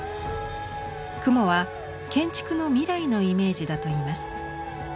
「雲は建築の未来のイメージ」だといいます。